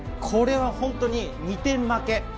これは本当に２点負け。